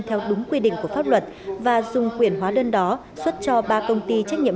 theo đúng quy định của pháp luật và dùng quyền hóa đơn đó xuất cho ba công ty trách nhiệm